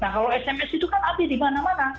nah kalau sms itu kan ada di mana mana